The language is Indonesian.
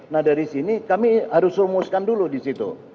nah dari sini kami harus rumuskan dulu di situ